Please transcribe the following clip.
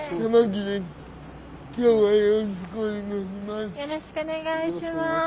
よろしくお願いします。